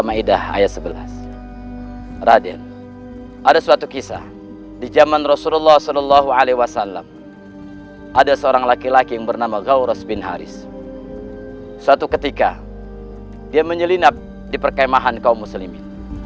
memesan dimitri weakness diperkaini bahan kaum muslim saat sudah murah jasa hai hari mbak